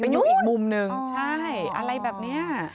อยู่อีกมุมหนึ่งใช่อะไรแบบนี้